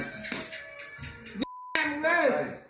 กลับไป